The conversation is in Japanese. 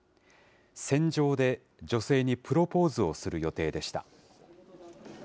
船上で女性にプロポーズをする予定でした。